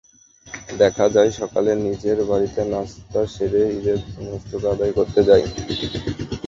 দেখা যায় সকালে নিজের বাড়িতে নাশতা সেরে ঈদের নামাজটা আদায় করতে যাই।